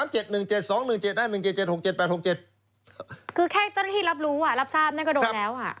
คือแค่เจ้าหน้าที่รับรู้รับทราบนั่นก็โดนแล้ว